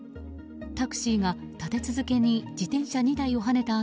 タクシーが立て続けに自転車２台をはねた